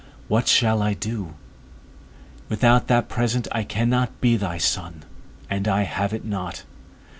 What shall I do? Without that present I cannot be thy son, and I have it not.